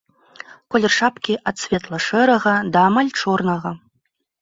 Колер шапкі ад светла-шэрага да амаль чорнага.